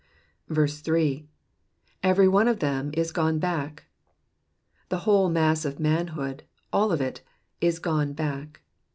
8. ^' Every one of them is gone hack.'''* The whole mass of manhood, all of it, is gone back.